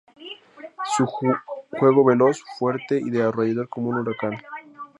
Su juego, veloz, fuerte y arrollador como un "Huracán".